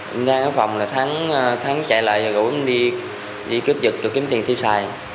em đang ở phòng là thắng chạy lại gọi em đi cướp dựt để kiếm tiền tiêu xài